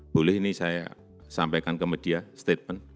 boleh ini saya sampaikan ke media statement